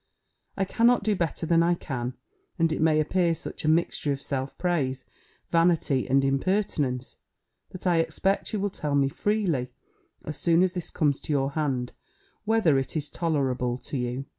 I cannot do better than I can; and it may appear such a mixture of self praise, vanity, and impertinence, that I expect you will tell me freely, as soon as this comes to your hand, whether it be tolerable to you.